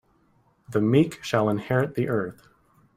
The meek shall inherit the earth.